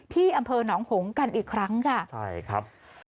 ที่อำเภอหนองหงกันอีกครั้งค่ะใช่ครับ